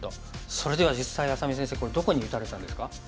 それでは実際愛咲美先生これどこに打たれたんですか？